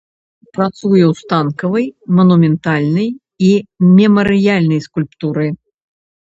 Працуе ў станковай, манументальнай і мемарыяльнай скульптуры.